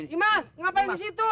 imas ngapain di situ